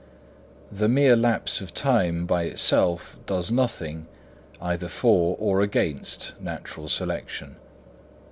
The mere lapse of time by itself does nothing, either for or against natural selection.